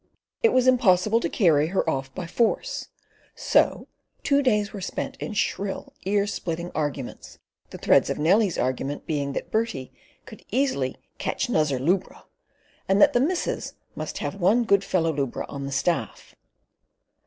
It was impossible to carry her off by force, so two days were spent in shrill ear splitting arguments the threads of Nellie's argument being that Bertie could easily "catch nuzzer lubra," and that the missus "must have one good fellow lubra on the staff."